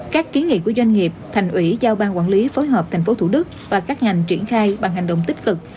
các ký nghị của doanh nghiệp thành ủy giao ban quản lý phối hợp tp hcm và các ngành triển khai bằng hành động tích cực